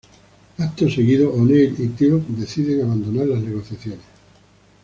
Acto seguido O'Neill y Teal'c deciden abandonar las negociaciones.